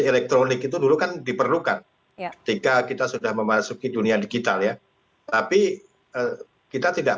elektronik itu dulu kan diperlukan ketika kita sudah memasuki dunia digital ya tapi kita tidak